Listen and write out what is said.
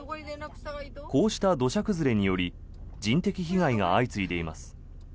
こうした土砂崩れにより人的被害が相次いでいます。